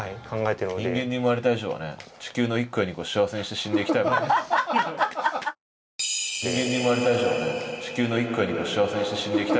人間に生まれた以上はね地球の１個や２個幸せにして死んでいきたいもんね。